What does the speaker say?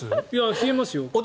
冷えますよ。